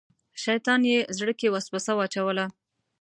شیطان یې زړه کې وسوسه واچوله.